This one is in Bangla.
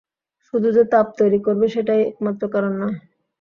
শুধু যে তাপ তৈরী করবে সেটাই একমাত্র কারণ নয়।